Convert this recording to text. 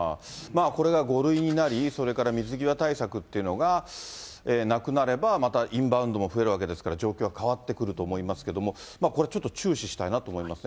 これが５類になり、それから水際対策というのがなくなれば、またインバウンドも増えるわけですから、状況は変わってくると思いますけども、これ、ちょっと注視したいなと思いますね。